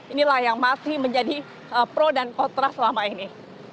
inilah yang masih menjadi pro dan kontra selama ini